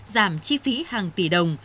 giảm chi phí hàng tỷ đồng